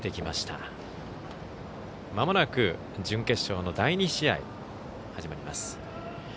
まもなく準決勝の第２試合始まります。